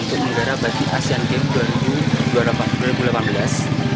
untuk menggarap batik asean games dua ribu delapan belas